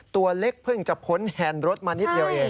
ตัวเล็กเพิ่งจะพ้นแฮนด์รถมานิดเดียวเอง